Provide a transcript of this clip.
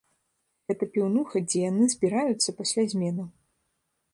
Гэта піўнуха, дзе яны збіраюцца пасля зменаў.